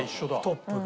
トップが。